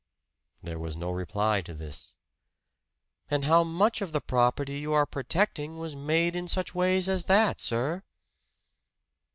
There was no reply to this. "And how much of the property you are protecting was made in such ways as that, sir?"